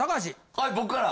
はい僕から。